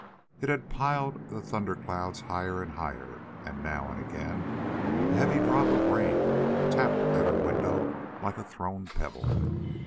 It had piled the thunder clouds higher and higher, and now and again a heavy drop of rain tapped at her window like a thrown pebble.